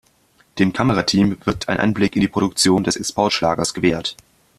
Dem Kamerateam wird ein Einblick in die Produktion des Exportschlagers gewährt.